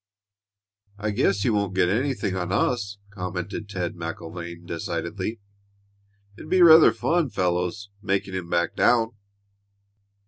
"I guess he won't get anything on us," commented Ted MacIlvaine, decidedly. "It'll be rather fun, fellows, making him back down."